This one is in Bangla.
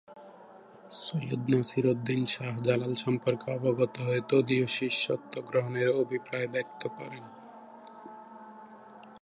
সৈয়দ নাসির উদ্দীন শাহ জালাল সম্পর্কে অবগত হয়ে তদীয় শিষ্যত্ব গ্রহণের অভিপ্রায় ব্যক্ত করেন।